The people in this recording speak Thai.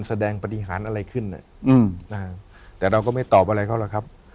แสดงปฏิหารอะไรขึ้นแต่เราก็ไม่ตอบอะไรเขาหรอกครับ